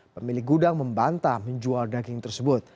pemilik gudang membantah menjual daging tersebut